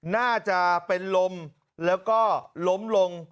น่าจะเป็นลมแล้วก็ล้มลง